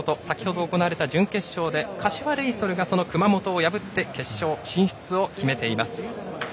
先程、行われた準決勝で柏レイソルが熊本を破って決勝進出を決めています。